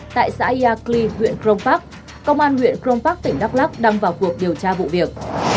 tại xã yacli huyện crompac công an huyện crompac tỉnh đắk lắc đang vào cuộc điều tra vụ việc